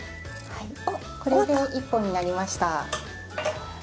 はいこれで１本になりました。